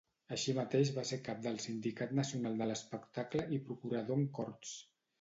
Així mateix va ser cap del Sindicat Nacional de l'Espectacle i procurador en Corts.